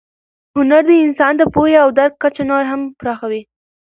هنر د انسان د پوهې او درک کچه نوره هم پراخوي.